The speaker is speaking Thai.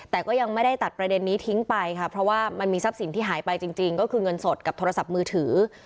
แต่ก็ยังไม่ได้ตัดประเด็นนี้ทิ้งไปค่ะเพราะว่ามันมีทรัพย์สินที่หายไปจริงก็คือเงินสดกับโทรศัพท์มือถือ